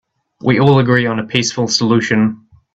We all agree on a peaceful solution.